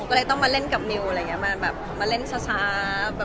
ก็เลยต้องมาเล่นกับนิลไรเงี้ยมาแบบมาเล่นช้า